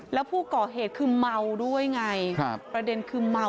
แล้วผู้ก่อเหตุคือเมาด้วยไงครับประเด็นคือเมา